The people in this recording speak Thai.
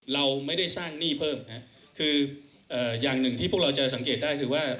เราไม่ได้สร้างหนี้เพิ่มนะคืออย่างหนึ่งที่พวกเราจะสังเกตได้คือว่า